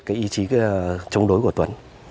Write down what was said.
cái ý chí chống đối của tuấn